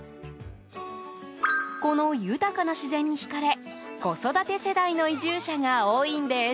この豊かな自然に引かれ子育て世代の移住者が多いんです。